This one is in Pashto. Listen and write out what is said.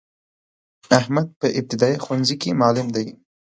احمد په ابتدایه ښونځی کی معلم دی.